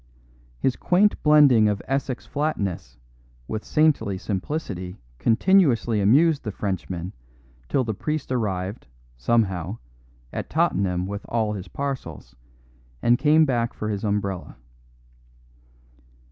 His quaint blending of Essex flatness with saintly simplicity continuously amused the Frenchman till the priest arrived (somehow) at Tottenham with all his parcels, and came back for his umbrella.